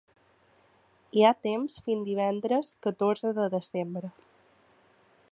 Hi ha temps fins divendres catorze de desembre.